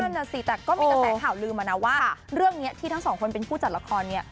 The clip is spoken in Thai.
น่ะสิแต่ก็มีกระแสข่าวลืมมานะว่าเรื่องนี้ที่ทั้งสองคนเป็นผู้จัดละครเนี่ย